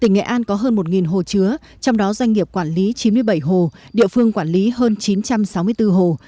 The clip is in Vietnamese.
tỉnh nghệ an có hơn một hồ chứa trong đó doanh nghiệp quản lý chín mươi bảy hồ địa phương quản lý hơn chín trăm sáu mươi bốn hồ